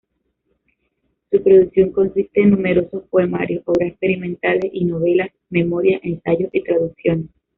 Su producción consiste en numerosos poemarios, obras experimentales y novelas, memorias, ensayos y traducciones.